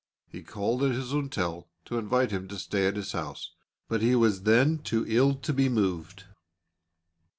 He called at his hotel to invite him to stay at his house, but he was then too ill to be moved.